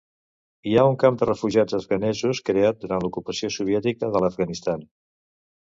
Hi ha un camp de refugiats afganesos creat durant l'ocupació soviètica de l'Afganistan.